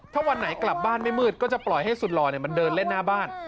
ถ้าวันไหนกลับบ้านไม่มืดก็จะปล่อยให้สุดหล่อมันเดินเล่นหน้าบ้าน